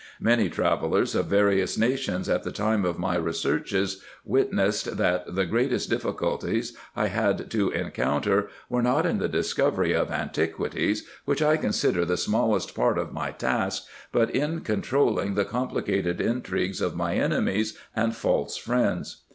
Many travellers of various nations, at the time of my researches, witnessed, that the greatest difficulties I had to encounter were not in the discovery of an tiquities, which I consider the smallest part of my task, but in controlling the complicated intrigues of my enemies and false friends.